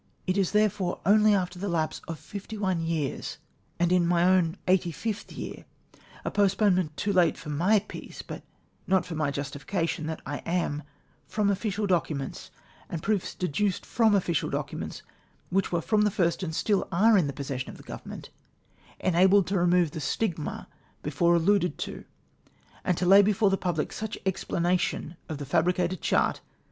It is, therefore, only after the lapse of fifty one years and in my own eighty fifth year, — a postponement too late for my peace, but not for my justification, — that I am, from official documents, and proofs deduced from official documents which were from the first and still are in the possession of the Government, enabled to remove the stigma before alluded to, and to lay before the pubhc such an explanation of the fabricated chart, 14 BIFFEEENCE OF OPINION AT THE ADMIRALTY.